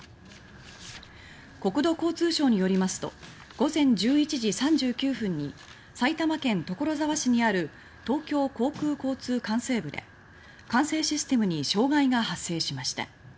国土交通省によりますと午前１１時３９分に埼玉県所沢市にある東京航空交通管制部で管制システムに障害が発生しました。